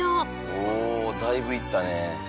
おぉだいぶいったね。